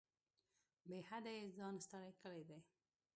بې حده یې ځان ستړی کړی دی.